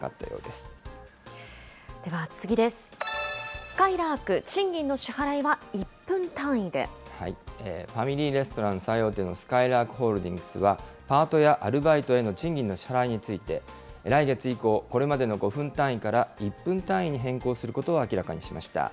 すかいらーく、賃金の支払いは１ファミリーレストラン最大手のすかいらーくホールディングスは、パートやアルバイトへの賃金の支払いについて、来月以降、これまでの５分単位から１分単位に変更することを明らかにしました。